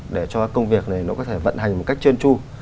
để cho công việc này nó có thể vận hành một cách trơn tru